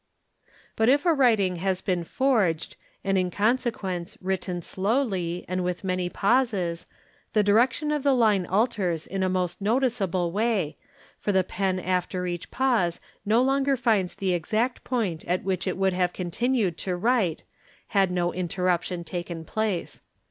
But if a writing has been forged and in consequence written slowly F nd with many pauses the direction of the' line alters in a most noticeable way, for the pen after each pause no longer finds the exact point at which ic uld have continued to write had no interruption taken place.